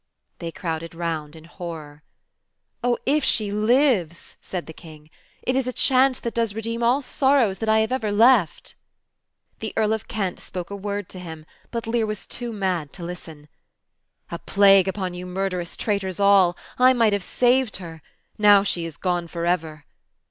They crowded round in horror. "Oh, if she lives," said the King, "it is a chance that does re deem all sorrows that ever I have left." The Earl of Kent spoke a word to him, but Lear was too mad to listen. "A plague upon you murderous traitors all ! I might have saved her. Now she is gone for ever.